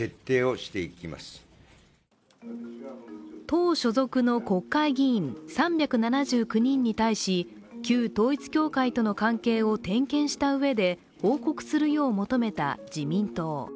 党所属の国会議員３７９人に対し旧統一教会との関係を点検したうえで報告するよう求めた自民党。